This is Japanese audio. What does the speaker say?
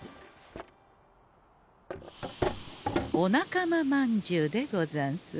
お仲間まんじゅうでござんす。